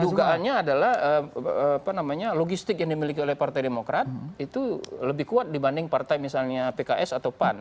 dugaannya adalah logistik yang dimiliki oleh partai demokrat itu lebih kuat dibanding partai misalnya pks atau pan